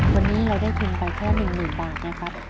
วันนี้เราได้ทุนไปแค่๑๐๐๐บาทนะครับ